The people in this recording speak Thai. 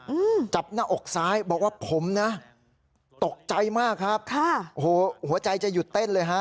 อืมจับหน้าอกซ้ายบอกว่าผมนะตกใจมากครับค่ะโอ้โหหัวใจจะหยุดเต้นเลยฮะ